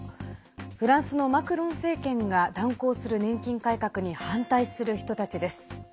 フランスのマクロン政権が断行する年金改革に反対する人たちです。